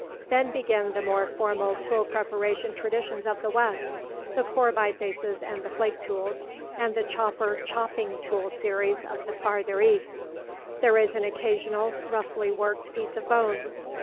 Then begin the more formal tool preparation traditions of the west the core bifaces and the flake tools and the chopper chopping tool series of the farther east. There is an occasional roughly worked piece of bone.